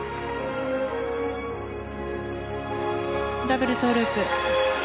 ダブルトウループ。